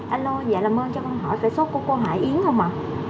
alo dạ là mời cho con hỏi về số của cô hải yến không ạ